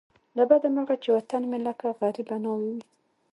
له بده مرغه چې وطن مې لکه غریبه ناوې وو.